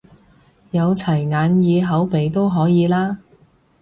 有齊眼耳口鼻都可以啦？